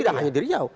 tidak hanya di riau